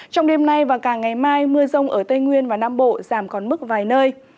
trong đêm nay và cả ngày mai mưa rông ở tây nguyên và nam bộ giảm còn mức vài nơi